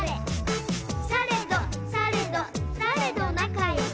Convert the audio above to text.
「されどされどされど仲よく」